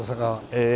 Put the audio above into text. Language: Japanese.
ええ。